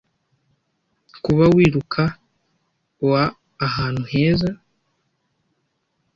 kuba wiruka wa ahantu heza